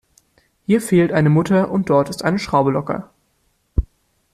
Hier fehlt eine Mutter und dort ist eine Schraube locker.